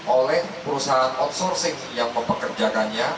oleh perusahaan outsourcing yang mempekerjakannya